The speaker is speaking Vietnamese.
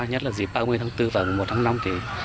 nhất là dịp ba mươi tháng bốn và một tháng năm thì